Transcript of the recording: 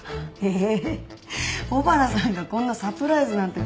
ええ小原さんがこんなサプライズなんて。